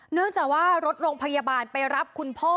เนื่องจากว่ารถโรงพยาบาลไปรับคุณพ่อ